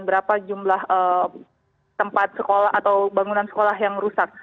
berapa jumlah tempat sekolah atau bangunan sekolah yang rusak